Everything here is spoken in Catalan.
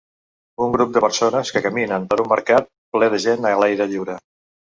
Un grup de persones que caminen per un mercat ple de gent a l'aire lliure.